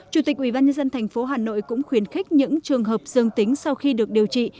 chủ tịch ubnd tp hà nội cũng khuyến khích những trường hợp dương tính sau khi được điều trị